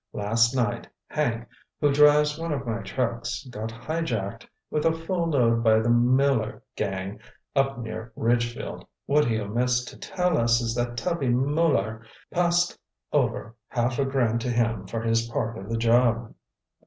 Last night, Hank, who drives one of my trucks, got highjacked with a full load by the Muller gang up near Ridgefield. What he omits to tell us is that Tubby Muller passed over half a grand to him for his part of the job."